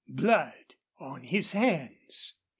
Blood on his hands!